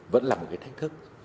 vẫn là một cái thách thức